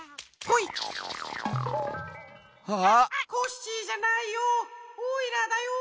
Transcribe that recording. ・コッシーじゃないよ。